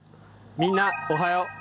みんなおはよう！